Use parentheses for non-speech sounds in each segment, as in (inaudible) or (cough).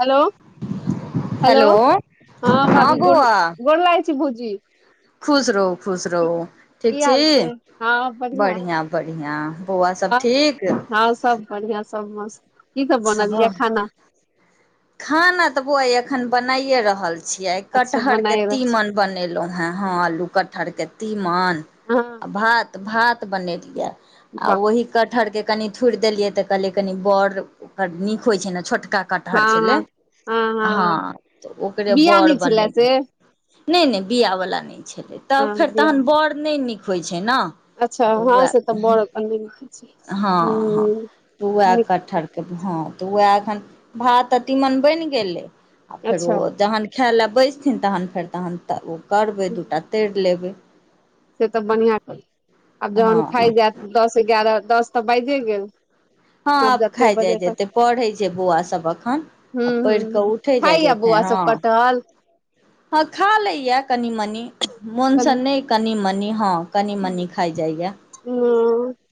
Hello, hello, हँ भाभी गो गोर लागै छी भौजी खुश रहु खुश की रहू। ठीक की छी? हाल छै हँ बढ़िआँ बढ़ियां-बढ़िआं, बौआ सब आ ठीक? हँ सब बढ़िआँ, सब मस्त की सब बनल ये खाना (unintelligible) खाना तऽ बोआ यै एखन बनाइए रहल छियै अच्छा कटहरके बनाय रहल छी। तीमन बनेलहुं हे, हँ आलू कटहर के तीमन हँ आ भात, भात बनेलिया आ वाह ओही कटहरके कनि थुड़ि देलियै तऽ कहलियै कनि बड़ ओकर नीक होइ छै ने छोटका कटहर छले हँ तऽ ओकरे बिआ बर नहि छलए से बनेलि नहि नहि बिआवला नहि छलै तऽ हँ फेर बिआ तहन बड़ नहि नीक होइ छै ने अच्छा ऽ हँ उएह से तऽ बड़ अपन नहि खाइ छै हँ हँ हूँ त उएह नीक कटहर के हं तऽ वएह एखन भात आ तीमन बनि गेलै आ अच्छा फेरो जहन खेऽ लए बैसथिन तहन फेर तहन तऽ ओ करबै दू टा हूँ तैर लेबै से तऽ बनियां कर आब जहन हँ खाइ जायत दस एगारह दस तऽ बाजे गेल हँ आब खा जते जाइ बजे तक जेते पढ़ै छै बौआ सब अखन हूं आ हूं पढ़ि कऽ हूं उठै जाय खाइया जेतै बौआ हँ सब कटहल हँ खा लैया कनि मनी मोनस कनी नहि कनि मनि हँ कनि मनी खाइ जाइया हू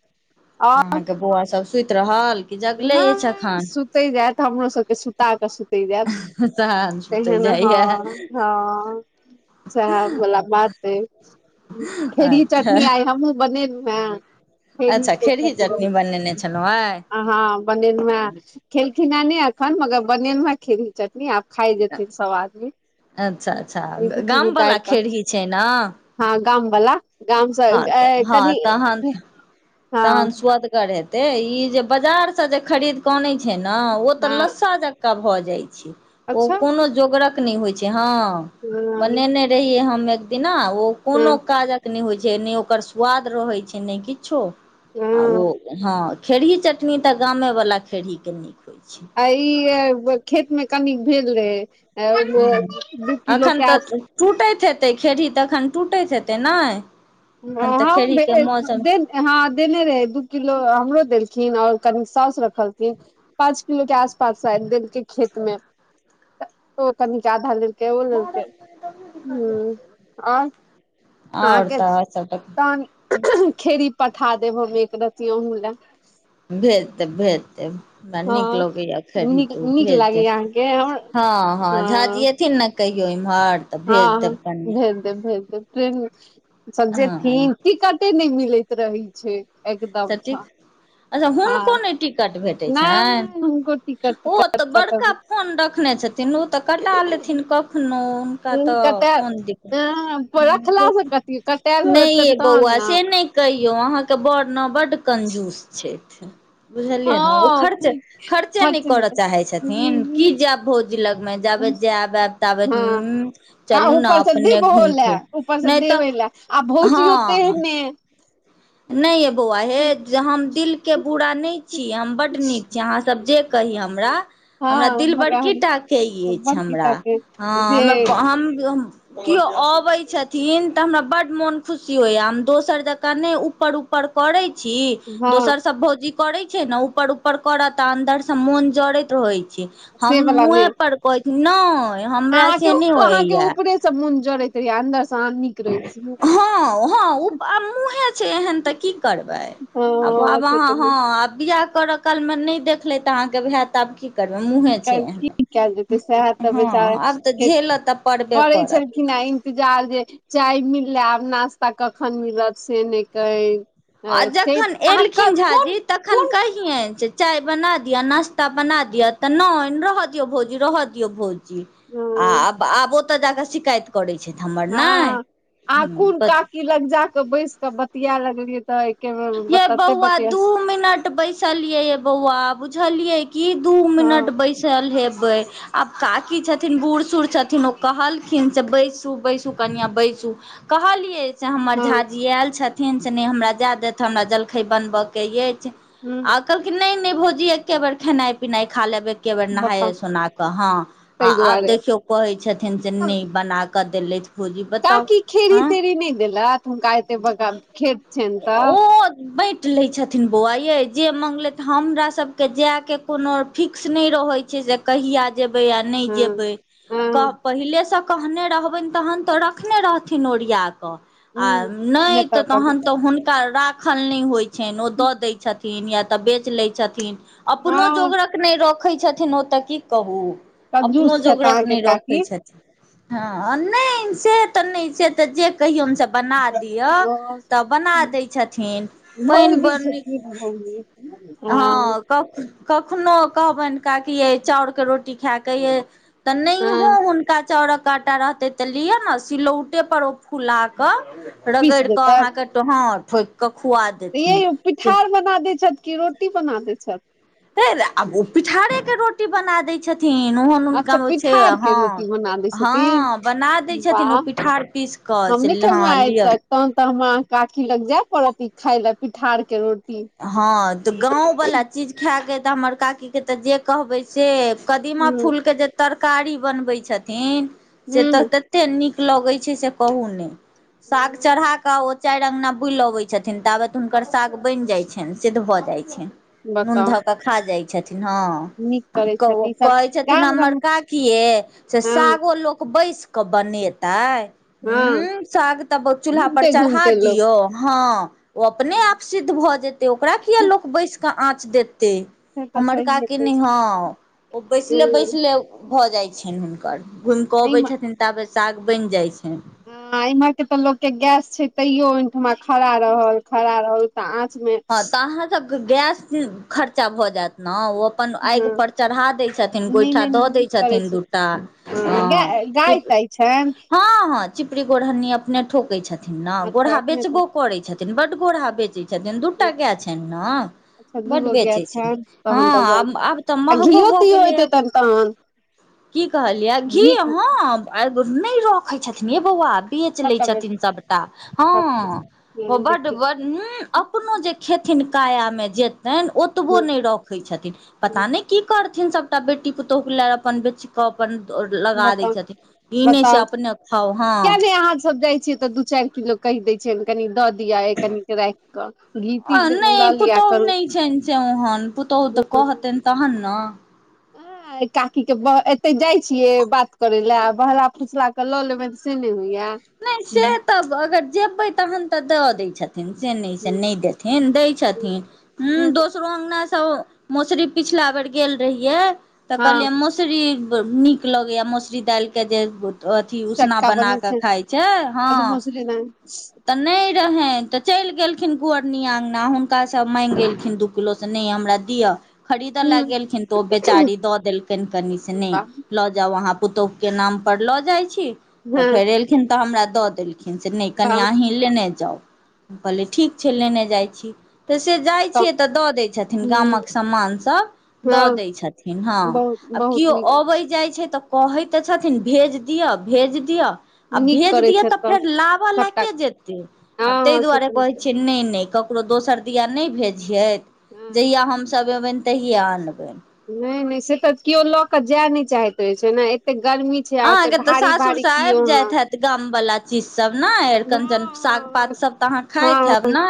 अहाँके बौआ सभ सुति रहल कि जगले अछि नहि अखन सुतै जायत हमरो सबके सुता कऽ सुतै जायत तहन सुते तेहन हँ जाइया हँ सेह वला बात अए ह खेरी अच्छा चटनी आइ हमहु बनेलहुँ हे अच्छा खेरही चटनी बनेने छलहुँ आइ हँ बनेलुहें खेलखिन हं नै एखन मगर बनेलौं हे खेरही चटनी आब खाय जेथिन सब आदमी अच्छा अच्छा गाम वाला (unintelligible) कऽ खेरही छै ने हँ गाम वला गामसँ हँ तऽ ए हँ कनि हँ हेते ई जे बाजार से जे खरीद केऽ अनै छै ने ओ तऽ हँ लस्सा जका त भऽ जाइ छै ओ अच्छा कोनो जोगरक नहि होइ छै हँ बनेने रहियै हम एक दिना ओ हँ कोनो काजक नै होइ छै जे नहि ओकर स्वाद रहै छै नहि किछो आ ओ हँ हँ खेरही चटनी तऽ गामेवला खेरहीके नीक होइ छै आ ई खेत मे कनी भेल रहै हूँ दू किलो एखन के आस तऽ टूटैत हेतै खेरही तखन टूटैत हेतै नहि हँ (unintelligible) दे हँ देने रहै दू किलो हमरो देलखिन आओर कनी साउस रखलखिन पाँच किलो के आस पास सायद देलकै खेत मे ओ कनिक आधा द के ओ लेलकै हूं औ आओर अहाँके तऽ सब तहन खेड़ी पठा देब हम एक रति अहँ लए भेज देब भेज देब हमरा नीक हँ लगैया ख भि नीक तऽ ओ नीक भेज लागैया देब अहाँके हमर हँ हँ झा ज एथिन नऽ कहियो इमहर हँ हँ भेज देब भेज देब सब हँ जे ी टिकटे नहि मिलैत छै रहे छै तऽ एकदमसँ टिक अच्छा हुनको हँ नऽ टिक टिकट भेटै नहि हुनको छनि टिकट ओ तऽ टिकट कट बड़का फोन रखने छथिन तऽ कटा लेथिन कखनो हुनका तऽ कटा कोन रखलासँ कथी दिक्कत कटायल नहि ये होतनि तहन बौआ ने से नहि कहियौ अहाँके बड़ नऽ बड कंजूस छथि बुझलियै ने ओ हँ खर्च खर्चे नहि खर्च करय चाहैत छथिन नहि की जायब भोजी लगमऽ जायबे जाबब ताब हँ आ चलू ने ऊपर से अपने देबहो घुम लए फिर ऊपर से नहि तऽ देबे लए आ भौजियो हँ तेहने नहि ये बौआ हे जे हम दिलके बुरा नहि छी हम बड्ड नीक छै अहाँसभ जे कही हमरा हमरा हँ दिल बड़केी मगन टा कहै अछि बड़की हमरा टा के हँ जे हमरा हम केओ अबैत छथिन तऽ हमरा बड्ड मोन खुशी होइयऽ हम दोसर जँकाँ नहि ऊपर उ करै छी हँ दोसर सब भौजि करे छै ने ऊपर ऊपर करत अन्दर से मोन जरैत रहै छै से हम बला मुहे ने पर कहिनो हमरा से नहि होइया सब मन जरैत रहहि अन्दर सऽ आहाँ नीक रहैत छी हँ आब मुँहे छै एहन तऽ की करब हँ से तऽ ह बियाह करऽ काल मे नहि देखलेत अहाँके भयत आब कि करम की मुँहे छै। कर की कयल जेतै सएह तऽ हँ बेचारा आब तऽ झेलत तऽ पड़बे करत (unintelligible) इंतजार जे चाय मिलले, आब नाास्ता कखन मिलत से नहि कह आ जखन एलखिन झा जी तखन कोन कै केहन छै चाय बना दिअ नास्ता बना दिअ तऽ नहि रह दियऔ भौजी, रहऽ दियऔ भौजी आ हँ आब आब ओतऽ जा कऽ शिकायत करैत छथि हमर नय की लग जााक बैस कऽ बतिया लगलियै ते ये बऊआ दू मिनट ट बैसलियै ये बौआ बुझलियै की दू मिनट हँ बैसल हेबे आब काकी छथिन बूढ़ सूढ़ छथिन ओ कहलखिन जे बैसू बैसू कनियाँ बैसू कहलियै से हमर हँ झााजी आयल छथिन से नहि हमरा जाय दत तऽ हमरा जलखै बनबऽके अछि हूँ आ कहलकिन नहि-नहि भोजी एके बेर खेनाइ पिनाइ खा लेबे के बेर नहाय बताउ सोना क हाँ, आ ताहि आब दुआरे देखियो कहे छथिन जे नऽ बना क देलैत ताकि खेरी तेड़ी नहि देलत हुनका एते बड़का खेत छियनि तऽ ओ बै लै छथिन बौआ यै जे माँगलै तऽ हमराासब के जायके कोनो फिक्स नहि रहैत छै जे कहिय जेबै आ नहि हँ जेबै कह हँ पहिलेसँ कहने रहबनि तहन तऽ रखने रहथिन ओरिया कऽ आ नहि तऽ तहन तऽ हुन हुनका राखल नहि होइत छनि ओ दऽ दैत छथिन या तऽ बेच लैत छथिन अपनो हँ जोगरक नहि रखै छथिन ओतऽ की कहू, अपनो कंजूस छथि जोगरक अहाँके नहि रखै काकी छथिन हँ नहि से तऽ नहि छियै तऽ जे कहियौन सब बना दिअ तऽ बना दै छथिन पाइन भौजी छथिन बरनीक भौजी हँ कक कखनो कहबनि काकी यै चाउरके रोटी खाए कऽ यै तऽ नैहों हँ हुनका चाउरक आँटा रहतै तऽ लिअ न सिलौटे पर ओ फुला कऽ पीस रगैड़ कऽ देतैथ अहाँ के टो हाँ ठोकि कऽ खुआ दे तऽ यै ओ पिठार बना दै छथि कि रोटी बना दै छथि नै नै आब ओ पिठारे के रोटी बना दै छथिन ओहन हुनका अच्छा मे ओ छै, पिठार के हँ रोटी बना दै हाँ छथिन बना दै छथिन वाह ओ पिठार पीस कऽ हम से नै खेलु हँ हें आइ लिअ तक तहन तऽ हमरा अहाँके काखी लग जाय पड़त ई खाय ले पिठार के रोटी हँ तऽ गाँव वाला चीज खैके अइ तऽ हमर काकी के तऽ जे कहबै से कदीमा हूँ फूल के जे तरकारी बनबै छथिन से तऽ हूँ तेत ते नीक लगै छै से कहू ने साग चढ़ाकऽ ओ चारि अंगना बुलि अबै छथिन ताबत हुनकर साग बनि जाय छनि सिद्ध भऽ जाइत छनि नून बताउ धऽ कऽ खा जाइ छथिन नीक हँ करै कहु छथि ई सब कहै छथिन गाम हमर गाम काकीये से हँ सागो लोक बैसि कऽ बनेतै? हँ उंम्म साग तऽ चूल्हा पर घूमते चढ़ा घूमते लोक दियौ हँ ओ अपने आप सिद्ध भऽ जेतै ओकरा किये लोक बैसि कऽ आँच देतै से तऽ हमर सहिए काकी कहै नै हँ, ओ छै बैसले बैसले भऽ जाइ छनि हुनकर घुमि कऽ अबै हँ छथिन ताबे साग बनि जाइ छनि आ एम्हर के तऽ लोक के गैस छै तैयो ओहिठमा खड़ा रहल, खड़ा रहल तऽ आँच मे हँ तऽ अहाँ सबके गैस खर्चा भऽ जायत ने ओ अपन आगि हँ पर चढ़ा दै छथिन नहि गोइठा नहि दऽ दै नीक करै छथिन छै दूटा हँ गाय गाय ताय छनि हँ हँ चिपरी गोरहन्नी अपने ठोकै छथिन न अच्छा गोड़हा अपने तऽ बेचबो करै छथिन बड्ड गोड़हा बेचै छथिन दु टा गै छनि न अच्छा बड्ड दूगो गाय बेचै छै छनि हँ तहन तऽ बस आब आब तऽ आ महंगो घीओ भऽ तीओ गेलै होेतै आब तहन तहन की कहलियै घी हँ नहि रखै छथिन यै बौआ बेच लै सबटा छथिन सबटा हँ सब किछु ओ बड्ड देखियौ बड्ड उंम्म अपनो जे खेथिन काया मे जेतैन ओतबो नै रखै छथिन पता नहि की करथिन सबटा बेटी पुतोहु लै अपन बेच कऽ अपन लगा दै बताउ छथिन ई नहि से बताउ अपने खाउ हँ किया नहि अहाँ सब जाइ छियै तऽ दु चारि किलो कहि दैत छियैन कनि दऽ दिये कनिक राखि कऽ घी ती नहि लऽ लिय पुतहु करू नहि छनि चौ (unintelligible) ओहन पुतहु तऽ कहतैन तहन ने काकी के ब एते जाइ छियै बात करै ले आ बहला फुसला कऽ लऽ लेबैन से नहि होइये तब अगर जेबै तहन तऽ दऽ दै छथिन से नहि से नहि देथिन दै छथिन। ह दोसरो अंगनासँ मसुरी पिछला बेर गेल रहियै तऽ हँ कहलियै मसुरी नीक लगैएा मसुररी दालिके जे अथी उसना चटका बना बनल कऽ। खाय छै अच्छा हँ। मौसरी दाना तऽ नहि रहनि तऽ चलि गेलखिन कुअरनी अँगना हुनका सभ माँगि गेलखिन दुख कलो से नहि हमरा दिआ खरीदऽ ल हूँ गेलखिन तऽ ओ बेचारी दऽ देलखिन कनि से नहि लऽ जाा वहाँ। पुतौहु के नाम पर लऽ जाय छी त हँ फेर एलखिन तऽ हमरा द देलखिन से नहि वाह कनिया। लेने जाउ कहली ठीक छै लेने जाइ छी। तऽ से जाइ तब छियै तऽ दऽ दैत छथिन हूँ गामक समान सभ दऽ हँ दै छथिन हँ बहुत आब बहुत केओ नीक अबैत जाइत छै तऽ। कहैत तऽ छथिन भेज दिअऽ भेज दिअऽ। आ नीक भेज करै दिय छै तऽ फेर लाबऽ लए सबटा के जेते हँ ताहि हँ से दुआरे तऽ कहै नीक छियै नहि नहि क। ककरो दोसर दआ नहि भेजियत हँ जहियआ हमसभ अबनि तहिया आनबनि। नहि नहि से तऽ केओ लऽ के जाय नहि चाहैत रहे छै ने एते गर्मी। छै आ ओते अहाँकेँ तऽ भारी सासुर भारी से कियो आबि जाय अहाँ हत। गम वाला चीज सभ ने अर कनन साग पात हँ सभ तऽ अहाँ खाइत हँ हैब ने।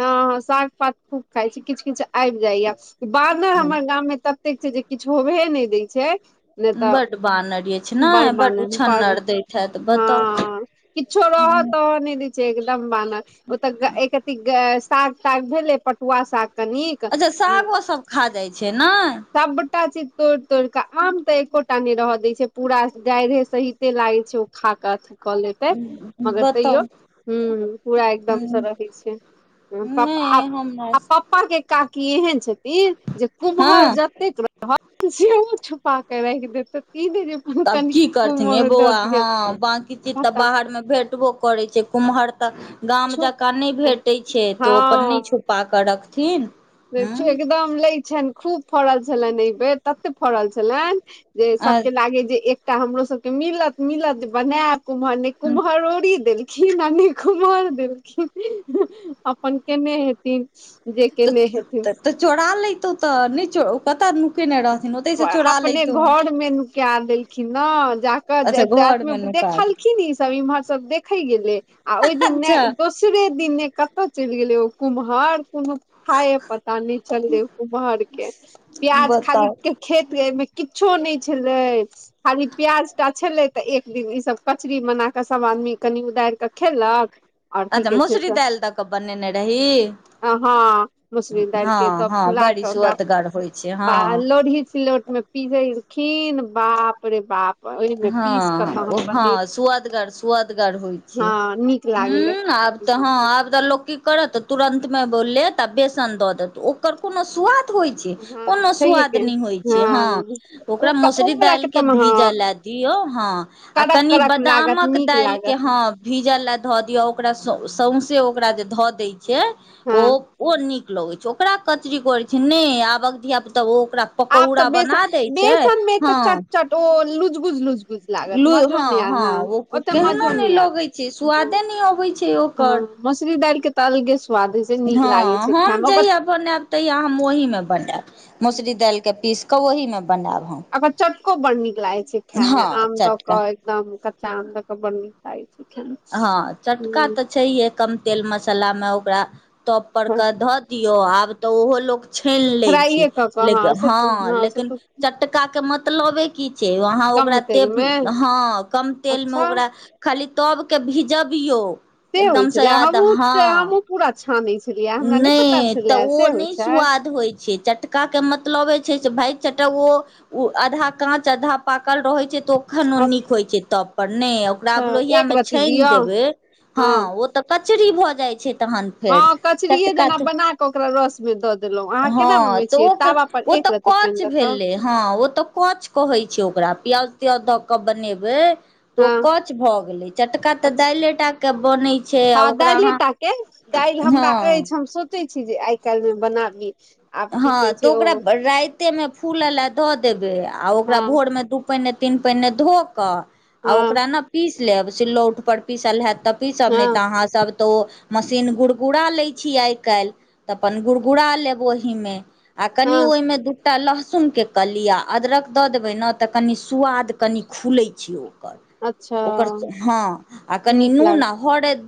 हँ हँ साग पात खूब खाइ छी किछु किछु आबि जाइया बादर हमर गाम मे तब। छै जे किछु होबे नहि दै छै। नहि तऽ बड बानर अछि ने बड़ बड मान पर उछन्नर दैत हैत बताउ हँ किछो। त ह त नहि दै छै एकदम बानह ओ तऽ एक। साग ताग भेले पटुआ साग कनिक। अच्छा सागो सभ खा जाइ छै ने। सभटाच तोड़ि तोड़ के आम तऽ एकोटा ने रह दय छै पूरा गाढ़े सहिते लागे छै ओ खाक कऽ लेतै मगर बताउ तैयो ह पूरा हूं एकदमसँ रहै छै। प नहि (unintelligible) हमरा आ पप्पा के काकी एहेन छथिन जे कुम्हर हँ जतेक। जे छुपा कर र दे तऽ दे जे तऽ आब कनि की करथिन हे कुम्हर दऽ बौआ दिय हँ बाँकी चीज तऽ पता बाहरमे भेटबो करैत छै कुम्हर। तऽ गाम छुप जकाँ नहि भेटैत छै तऽ ओ अपन नहि हँ छुपा कऽ रखथिन। हँ एकदम लै छनि खूब फड़ल छलनि एहि बेर तते फड़ल छलनि। जे आ सभके लागे जे एकटा हमरो सभके मिलत मिलत जे बनायब कुम्हर कुम्हार अदोरी देली ख नानी कुमर देलखिन अपन केने हेथिन। जे केने हेथिन तऽ तऽ चोरा लेतौ तऽ नहि। कतय नुकेने रहथिन ओतहिसँ चोरा अपने लैतौ घर मे नुका देलखिन ने जा। अच्छा रति घर मे नुका देखलखिन ई सभ इम्हर सभ देखे गेले आ ओहि दिन दोस अच्छा दीसरे दिने कतऽ चलि गेलै ओ कुम्हार कुम। ह पता नहि चलले कुम्हर के प्याज खाली। बताउ। के खेत ग मे किछो नहि छलै। खाली प्याज टा छलै तऽ एक दिन ईसभ कचरी बना कऽ सभ आदमी कनि उदारि कऽ खेलक। आओर की अच्छा कहै छै मसरी से तल त क बर ने रह ही। हँ मसुरी दालि हँ हँ बड़ी सुआतगर होइ। छै ब हँ लोढ़ी सिलौट मे पिजेलखिन बाप रे बाप। ओहिमे पीस कऽ त हम बनेलिन। आदगर होइ छै लागलै ह आब तऽ हँ एकदम। आब तऽ लोकि करत तुरन्त मे लेत आ बेसन दऽ देत ओकर कोनो सुवाद होइ छै हँ कोनो छैहे स्वाद के नहि होइ छै हँ ओ ओकरा ओ मसुरी वला दालि के तऽ भीज हँ ल दी। यो है आ कड़क कनि कड़क लागत बदमक नीक दालि के ह लागत हँ भीजल लए धऽ दियौ ओकरा सौंसे ओकरा जे धऽ दै छै हँ ओ। ओ नीक लगैत छै ओकरा कचरी करैत छै नहि आबक धिय पुता ओ ओकरा। आब तऽ पकौड़ा बना दै छै ह तो लुज बुझलुज। निक लागत मजो हँ नहि आ हँ ह ओ ओते केहनो मजो नहि आयत लगै छै स्वादे नहि अबै छै ओकर मसुरी दाल के तलके स्वाद ह हँ हम जेहि। बनायब तैया हम ओहि मे बनायब ओकर मसुरी दाल के पीस के ओहि मे बनायब हम। अकर चोटको बड नीक लागे छै खाय मे हँ आम दऽ चटका के एकदम कच्चा आम के बन नीक लाग छै ख हँ चटका ह तऽ छैहे कम तेल मसाला मे ओकरा तप पर हूँ के धऽ दियऔ आब तऽ ओहो लो। छान लै छिय फ्राइए कऽ कऽ लेकिन से हँ लेकिन से चटका के मतलबे त कम तेल मे अच्छा ओक ख (unintelligible) भिजबियौ से होइ एकदमसँ छलै याद हमहूँ हँ। से हमहूँ पूरा छानै छलियै। हमरा नहि पता छलै तऽ ओ से होइ नहि छै स्वाद होइत छै चटक। क्का के मतलबे छै से भाय चटा ओ आधा काँच आधा पाकल रहै छै तऽ ओ। कखन ओ नीक होइ छै तब पर नहि अच्छा ओकराब एक लोहियामे रत्ती छानि दियौ देबै हँ ओ त। कचरी भऽ जाइ छै तहन फेर। कचरी चटका जेना तऽ बना के ओकरा रस में द देलहूँ अहाँ केना बनबे छिय तावा पर एक रत्ती कछ पानि दऽ कऽ भेलै हँ ओ त कछ कहै छै ओकरा प्याज त्याज धऽ क बनेबै। तऽ ओ हँ कच भऽ गेलै चटका तऽ अच्छा दालि लेटाके बनैत छै आ हँ ओकरा दालि अहा टा के दालि हमरा अछि हम सोचै छी जे आइ काल्हिमे बनाबी। आब की हँ कहै तऽ छै ओ ओकरा राति। कत्तेमे फूल लए दऽ देबै आ ओकरा हँ भोरमे दू पानने तीन पानने ध कऽ। आ हँ ओकरा ने पीस लेब सिल्लौ उठपर पीसल हैत तऽ पीसब नहि हँ तऽ अहाँसभ तऽ ओ। मशीन गुड़कुरा ले छिय आइ काल्हि तऽ अपन गुड़कुरा लेब ओहिमे आ कनि हँ ओहिमे दुख। एकटा लहसुनके क ली आ अदरक दऽ देबै ने तऽ कनि स्वाद कनि खुलैत छै ओ। अच्छा ओकर हँ आ कनि नीक लाग नून हर।